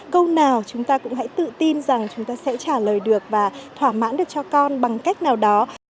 câu nào chúng ta cũng hãy tự tin rằng chúng ta sẽ trả lời được và thỏa mãn được cho con bằng cách nào đó